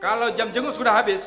kalau jam jengus sudah habis